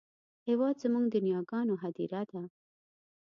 هېواد زموږ د نیاګانو هدیره ده